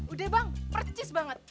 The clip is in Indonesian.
udah bang percis banget